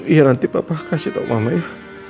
iya nanti papa kasih tau bapak ya